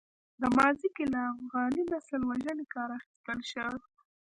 دا ماضي کې له افغاني نسل وژنې کار اخیستل شوی.